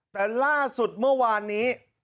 แต่ล่าสุดเมื่อวานนี้